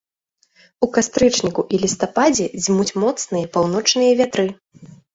У кастрычніку і лістападзе дзьмуць моцныя паўночныя вятры.